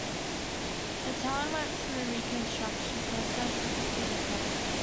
The town went through a reconstruction process to quickly recover.